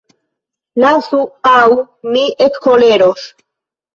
Lasu, aŭ mi ekkoleros!